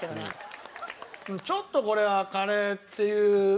ちょっとこれはカレーっていう感じ